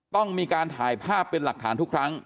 ต้องมีการถ่ายภาพเป็นหลักฐานทุกครั้ง